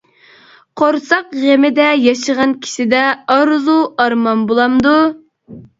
قورساق غېمىدە ياشىغان كىشىدە ئارزۇ-ئارمان بولامدۇ؟ .